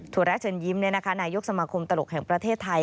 ถั่วแระเชิญยิ้มนะคะนายกสมคมตลกแห่งประเทศไทย